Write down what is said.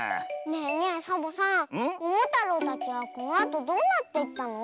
ねえねえサボさんももたろうたちはこのあとどうなっていったの？